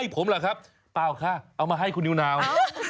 เปล่าค่ะเอามาให้คุณนิวนาว